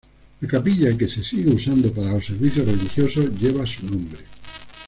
La Capilla que se sigue usando para los servicios religiosos lleve su nombre.